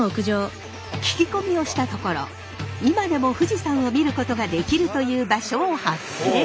聞き込みをしたところ今でも富士山を見ることができるという場所を発見！